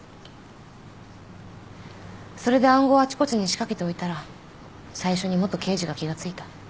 それで暗号をあちこちに仕掛けておいたら最初に元刑事が気が付いた。